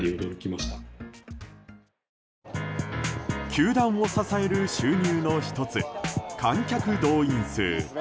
球団を支える収入の１つ観客動員数。